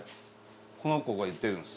この子が言ってるんです。